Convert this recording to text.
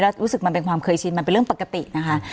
แล้วรู้สึกมันเป็นความเคยชินมันเป็นเรื่องปกตินะคะ